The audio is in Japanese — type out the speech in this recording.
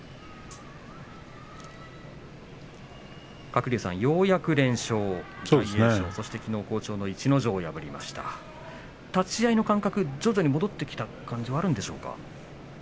鶴竜さん、ようやく連勝そして、きのうは好調の逸ノ城を破りました立ち合いの感覚が徐々に戻ってきた感じはあるんでしょうか。